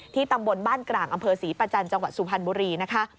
ตำบลบ้านกลางอำเภอศรีประจันทร์จังหวัดสุพรรณบุรีนะคะ